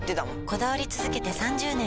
こだわり続けて３０年！